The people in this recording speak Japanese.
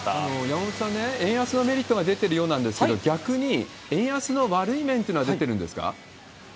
山本さん、円安のメリットが出てるようなんですけど、逆に円安の悪い面っていうのは出てるんですか？